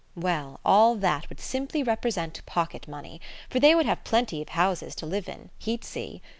Well, all that would simply represent pocket money! For they would have plenty of houses to live in: he'd see.